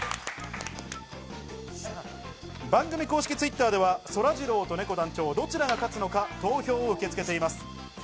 番組公式Ｔｗｉｔｔｅｒでは、そらジローとねこ団長、どちらが勝つのか投票を受け付けております。